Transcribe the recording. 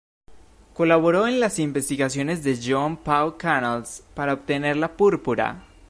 Colaboró en las investigaciones de Joan Pau Canals para obtener la púrpura.